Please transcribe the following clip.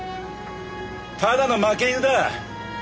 ただの負け犬だ。